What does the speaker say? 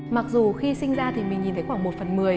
mặc dù khi sinh ra thì mình nhìn thấy khoảng một phần mười